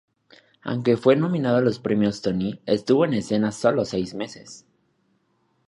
Aunque fue nominado a los Premios Tony, estuvo en escena solo seis meses.